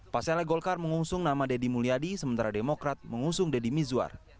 pasalnya golkar mengusung nama deddy mulyadi sementara demokrat mengusung deddy mizwar